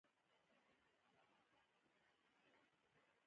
احمد ټولو کارونو ته شاکړې یووازې زده کړې ته یې مخه کړې ده.